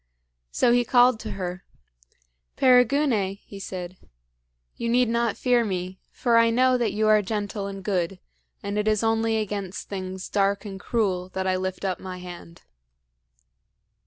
So he called to her: "Perigune," he said, "you need not fear me; for I know that you are gentle and good, and it is only against things dark and cruel that I lift up my hand."